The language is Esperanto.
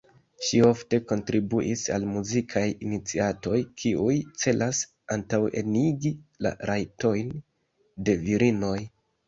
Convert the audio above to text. Ŝi ofte kontribuis al muzikaj iniciatoj kiuj celas antaŭenigi la rajtojn de virinoj.